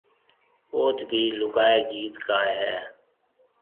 اوٿ ڀِي لوگائيَ گيت گائيَ ھيََََ